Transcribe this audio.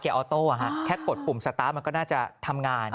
ออโต้แค่กดปุ่มสตาร์ทมันก็น่าจะทำงาน